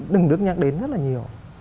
đừng được nhắc đến rất là nhiều